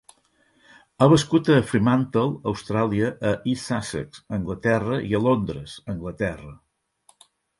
Ha viscut a Fremantle, Austràlia; a East Sussex, Anglaterra; i a Londres, Anglaterra.